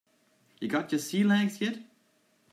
You got your sea legs yet?